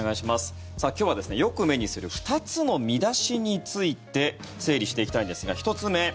今日はよく目にする２つの見出しについて整理していきたいんですが１つ目。